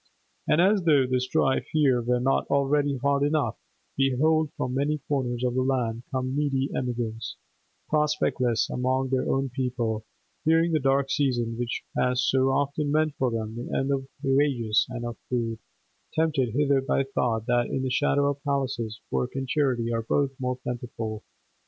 And as though the strife here were not already hard enough, behold from many corners of the land come needy emigrants, prospectless among their own people, fearing the dark season which has so often meant for them the end of wages and of food, tempted hither by thought that in the shadow of palaces work and charity are both more plentiful.